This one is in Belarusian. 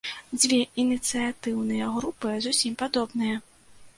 Дзве ініцыятыўныя групы зусім падобныя.